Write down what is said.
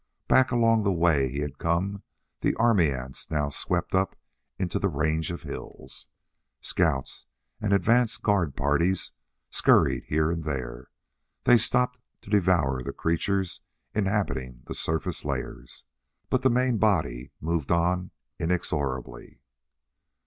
Back along the way he had come, the army ants now swept up into the range of hills. Scouts and advance guard parties scurried here and there. They stopped to devour the creatures inhabiting the surface layers. But the main body moved on inexorably.